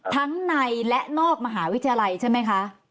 ทั้งในและนอกมหาวิทยาลัยใช่ไหมคะ